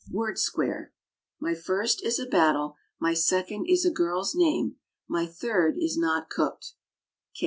WORD SQUARE. My first is a battle. My second is a girl's name. My third is not cooked.